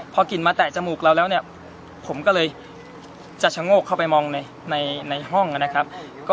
พอกลิ่นมาแตะจมูกเราแล้วเนี่ยผมก็เลยจะชะโงกเข้าไปมองในห้องนะครับ